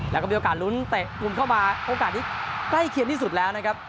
แล้วก็มีโอกาสลุ้นเตะกลุ่มเข้ามาโอกาสที่ใกล้เคียงที่สุดแล้วนะครับ